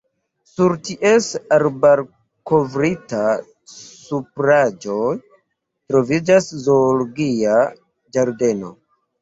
Sur ties arbarkovritta supraĵo troviĝas Zoologia ĝardeno.